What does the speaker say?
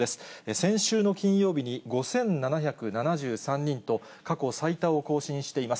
先週の金曜日に５７７３人と、過去最多を更新しています。